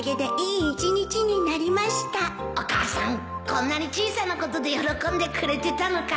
こんなに小さなことで喜んでくれてたのか